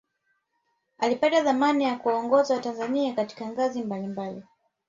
alipata dhamana ya kuwaongoza watanzania katika ngazi mbali mbali